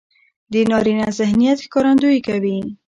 د نارينه ذهنيت ښکارندويي کوي.